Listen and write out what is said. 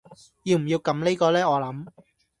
要唔要撳呢個呢我諗